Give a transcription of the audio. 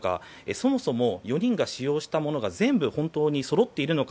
そもそも４人が使用したものが全部、本当にそろっているのか。